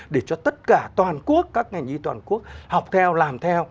để cho tất cả toàn quốc các ngành y toàn quốc học theo làm theo